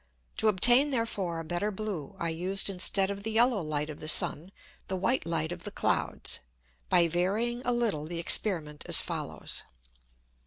To obtain therefore a better blue, I used instead of the yellow Light of the Sun the white Light of the Clouds, by varying a little the Experiment, as follows.